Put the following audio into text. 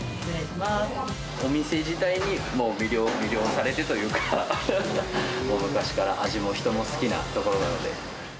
お店自体に、もう魅了されてというか、昔から味も人も好きなところなので。